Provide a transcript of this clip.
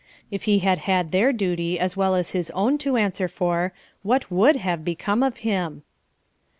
If he had had their duty as well as his own to answer for what would have become of him!